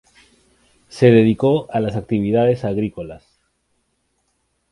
Se dedicó a las actividades agrícolas.